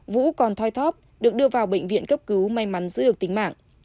vũ còn thoi thóp được đưa vào bệnh viện cấp cứu may mắn giữ được tính mạng